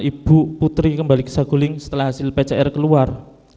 ibu putri kembali ke saguling setelah hasil pcr keluar